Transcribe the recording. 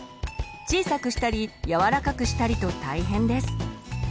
小さくしたり柔らかくしたりと大変です。